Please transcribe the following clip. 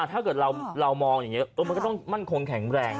ถ้าเกิดเรามองอย่างนี้มันก็ต้องมั่นคงแข็งแรง